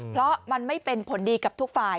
เพราะมันไม่เป็นผลดีกับทุกฝ่าย